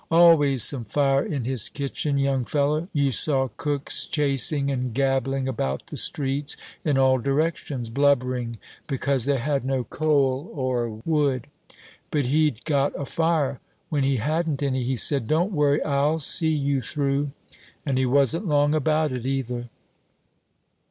"Always some fire in his kitchen, young fellow. You saw cooks chasing and gabbling about the streets in all directions, blubbering because they had no coal or wood. But he'd got a fire. When he hadn't any, he said, 'Don't worry, I'll see you through.' And he wasn't long about it, either."